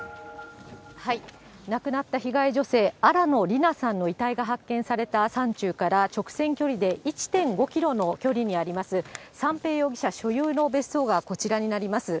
亡くなった被害女性、新野りなさんの遺体が発見された山中から直線距離で１．５キロの距離にあります、三瓶容疑者所有の別荘がこちらになります。